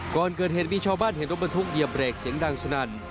ก่อนเกิดเหตุมีชาวบ้านเห็นรถบรรทุกเหยียบเรกเสียงดังสนั่น